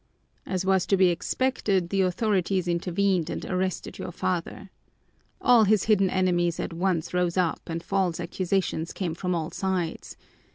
"As was to be expected, the authorities intervened and arrested your father. All his hidden enemies at once rose up and false accusations came from all sides.